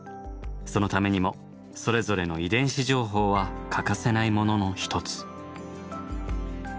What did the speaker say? そのためにもそれぞれの遺伝子情報は欠かせないものの一つ。